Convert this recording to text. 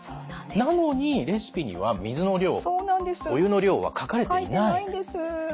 なのにレシピには水の量お湯の量は書かれていない。